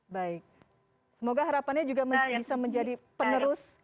baik semoga harapannya juga bisa menjadi penerus